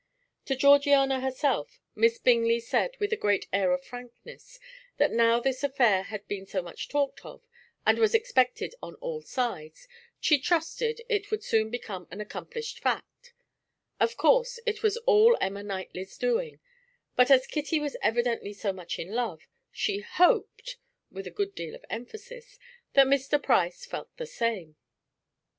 To Georgiana herself, Miss Bingley said with a great air of frankness that now this affair had been so much talked of, and was expected on all sides, she trusted it would soon become an accomplished fact; of course it was all Emma Knightley's doing, but as Kitty was evidently so much in love, she hoped (with a good deal of emphasis) that Mr. Price felt the same.